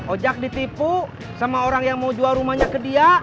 ojek ditipu sama orang yang mau jual rumahnya ke dia